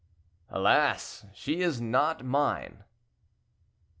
"Alas! she is not mine."